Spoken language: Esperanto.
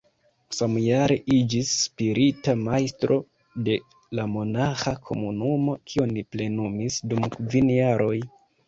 Samjare iĝis spirita majstro de la monaĥa komunumo, kion plenumis dum kvin jaroj.